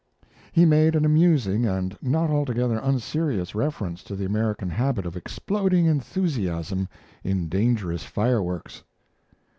He made an amusing and not altogether unserious reference to the American habit of exploding enthusiasm in dangerous fireworks.